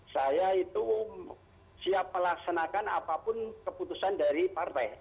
saya itu siap melaksanakan apapun keputusan dari partai